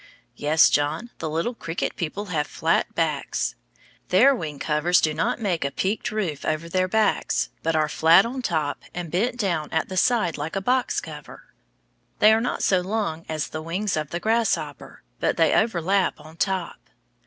Yes, John, the little cricket people have flat backs. Their wing covers do not make a peaked roof over their backs, but are flat on top and bent down at the sides like a box cover. They are not so long as the wings of the grasshopper, but they overlap on top.